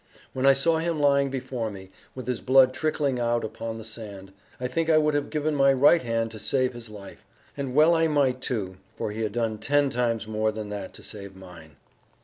When I saw him lying before me, with his blood trickling out upon the sand, I think I would have given my right hand to save his life. And well I might, too, for he had done ten times more than that to save mine.